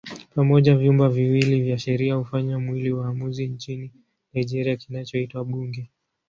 Pamoja vyumba viwili vya sheria hufanya mwili maamuzi nchini Nigeria kinachoitwa Bunge.